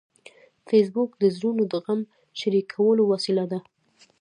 فېسبوک د زړونو د غم شریکولو وسیله ده